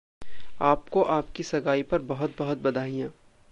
आपको आपकी सगाई पर बहुत बहुत बधाईंयाँ।